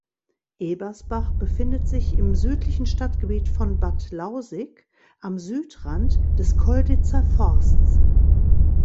Ebersbach befindet sich im südlichen Stadtgebiet von Bad Lausick am Südrand des Colditzer Forsts.